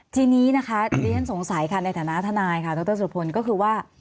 ทีนี้นะคะดิฉันสงสัยค่ะในฐานะทนายค่ะดรสุพลก็คือว่า